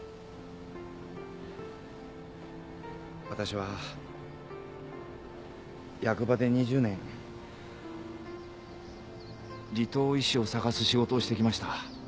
わたしは役場で２０年離島医師を探す仕事をしてきました。